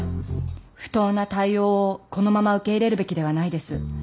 不当な対応をこのまま受け入れるべきではないです。